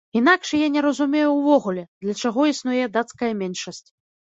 Інакш я не разумею ўвогуле, для чаго існуе дацкая меншасць.